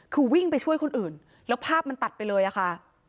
คือวิ่งไปช่วยคนอื่นแล้วภาพมันตัดไปเลยอะค่ะ